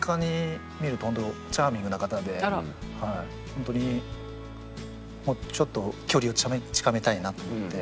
本当にもうちょっと距離を近めたいなと思って。